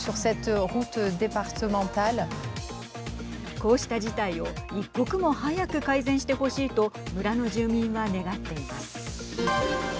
こうした事態を一刻も早く改善してほしいと村の住民は願っています。